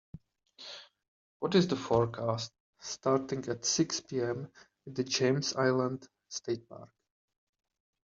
what is the forecast starting at six pm at Janes Island State Park